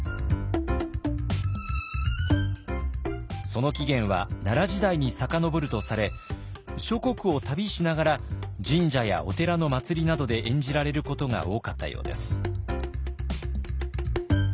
その起源は奈良時代に遡るとされ諸国を旅しながら神社やお寺の祭りなどで演じられることが多かったようです。